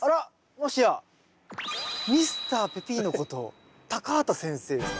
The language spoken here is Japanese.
もしやミスターペピーノこと畑先生ですか？